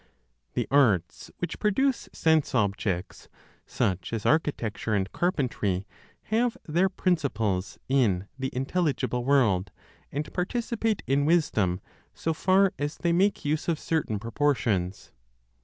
The arts which produce sense objects, such as architecture and carpentry, have their principles in the intelligible world, and participate in wisdom, so far as they make use of certain proportions.